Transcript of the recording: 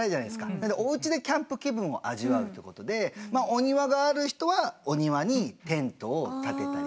なんでおうちでキャンプ気分を味わうってことでまあお庭がある人はお庭にテントをたてたり。